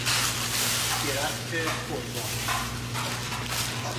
درخت پر بار